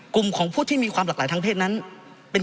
กลุ่มของผู้ที่มีความหลากหลายทางเพศนั้นเป็น